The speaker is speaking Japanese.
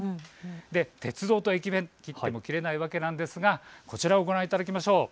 鉄道と駅弁、切っても切れないわけなんですがこちらをご覧いただきましょう。